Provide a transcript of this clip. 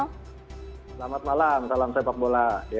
selamat malam salam sepak bola